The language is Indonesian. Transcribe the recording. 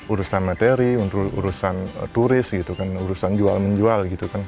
urusan materi urusan turis gitu kan urusan jual menjual gitu kan